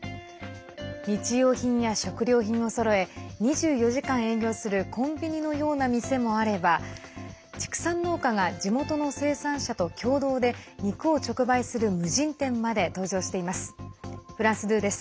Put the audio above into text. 日用品や食料品をそろえ２４時間営業するコンビニのような店もあれば畜産農家が地元の生産者と共同で肉を直売する無人店まで登場しています。